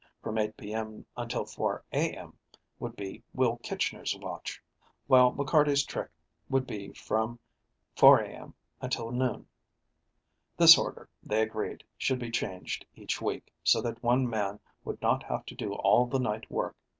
From 8:00 P. M. until 4:00 A. M. would be Will Kitchner's watch, while McCarty's trick would be from 4:00 A. M. until noon. This order, they agreed, should be changed each week, so that one man would not have to do all the night work.